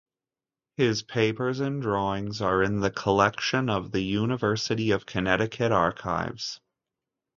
His papers and drawings are in the collection of the University of Connecticut archives.